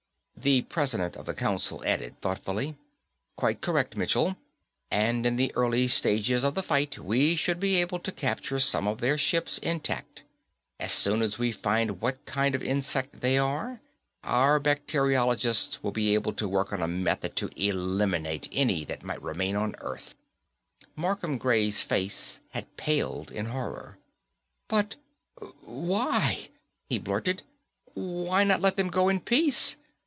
The President of the Council added thoughtfully, "Quite correct, Michell. And in the early stages of the fight, we should be able to capture some of their ships intact. As soon as we find what kind of insect they are, our bacteriologists will be able to work on a method to eliminate any that might remain on Earth." Markham Gray's face had paled in horror. "But why?" he blurted. "Why not let them go in peace?